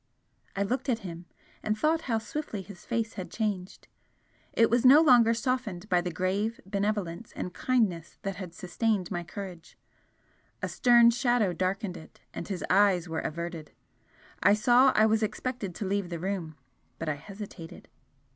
I looked at him, and thought how swiftly his face had changed. It was no longer softened by the grave benevolence and kindness that had sustained my courage, a stern shadow darkened it, and his eyes were averted. I saw I was expected to leave the room, but I hesitated.